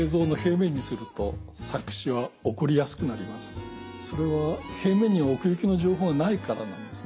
特にそれは平面に奥行きの情報がないからなんですね。